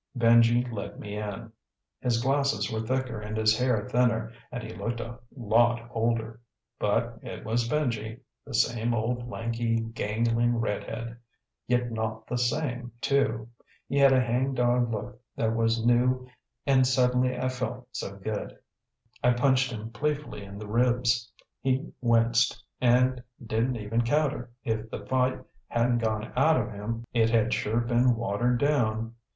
Benji let me in. His glasses were thicker and his hair thinner and he looked a lot older. But it was Benji, the same old lanky, gangling redhead; yet not the same, too. He had a hang dog look that was new and suddenly I felt so good, I punched him playfully in the ribs. He winced and didn't even counter. If the fight hadn't gone out of him, it had sure been watered down.